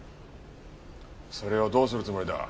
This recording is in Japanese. それをどうするつもりだ？